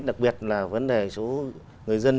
đặc biệt là vấn đề số người dân